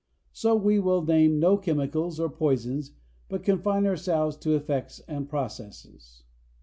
So, we will name no chemicals or poisons but confine ourselves to effects and processes.